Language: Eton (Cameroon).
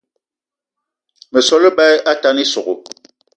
Meso á lebá atane ísogò